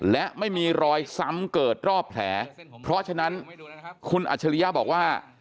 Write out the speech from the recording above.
และไม่มีรอยซ้ำเกิดรอบแผลเพราะฉะนั้นคุณอัจฉริยะบอกว่า